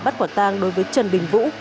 bắt quả tang đối với trần đình vũ